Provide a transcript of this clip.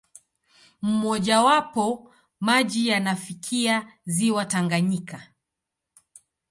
Mmojawapo, maji yanafikia ziwa Tanganyika.